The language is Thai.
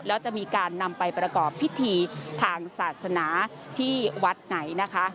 แล้วจะมีการนำไปประกอบพิธีทางศาสนาที่วัดไหนนะคะ